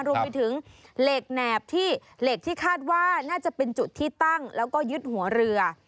รวมไปถึงเหล็กแหนบที่เหล็กที่คาดว่าน่าจะเป็นจุดที่ตั้งแล้วก็ยึดหัวเรือ